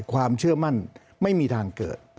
ความเชื่อมั่นไม่มีทางเกิด